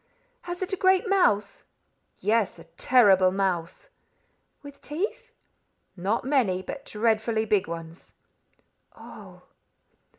"Has it a great mouth?" "Yes, a terrible mouth." "With teeth?" "Not many, but dreadfully big ones." "Oh!"